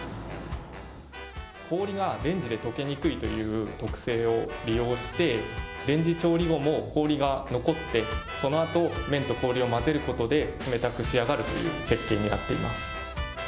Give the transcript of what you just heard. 氷がレンジで溶けにくいという特性を利用して、レンジ調理後も氷が残って、そのあと麺と氷を混ぜることで冷たく仕上がるっていう設計になっています。